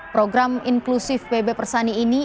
program inklusif pb persani ini